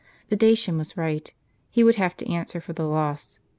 The Dacian was right : he would have to answer for the loss.